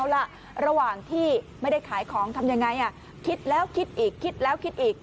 เอาล่ะระหว่างที่ไม่ได้ขายของทำยังไงคิดแล้วคิดอีกคิดแล้วคิดอีก